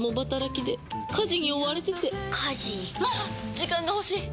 時間が欲しい！